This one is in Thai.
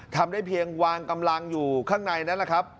ทำได้เพียงวางกำลังอยู่ข้างในนั่นแหละครับ